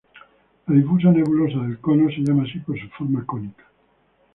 La difusa nebulosa del cono se llama así por su forma cónica.